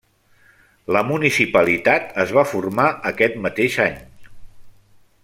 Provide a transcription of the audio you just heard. La municipalitat es va formar aquest mateix any.